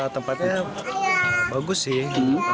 tempatnya bagus sih